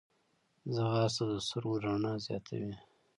ځغاسته د سترګو رڼا زیاتوي